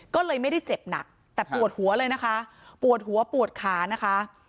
ก็เลยไม่ได้เจ็บหนักแต่ปวดหัวเลยนะคะปวดหัวปวดขานะคะ